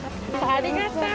ありがとう。